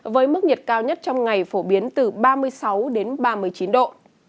với mức nhiệt cao nhất trong ngày phổ biến từ ba mươi sáu đến ba mươi chín độ